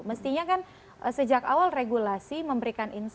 mestinya kan sejak awal regulasi memberikan instansi